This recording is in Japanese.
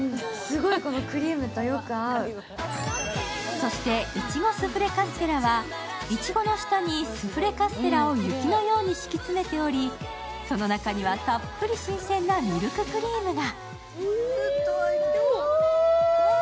そしていちごスフレカステラはいちごの下にスフレカステラを雪のように敷き詰めており、その中にはたっぷり新鮮なミルククリームが。